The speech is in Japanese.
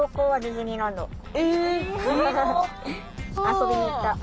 遊びに行った。